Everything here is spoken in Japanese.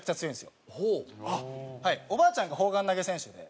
おばあちゃんが砲丸投げ選手で。